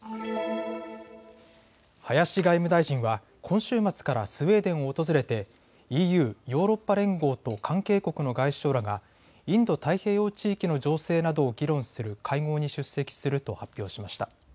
林外務大臣は今週末からスウェーデンを訪れてＥＵ・ヨーロッパ連合と関係国の外相らがインド太平洋地域の情勢などを議論する会合に出席すると発表しました。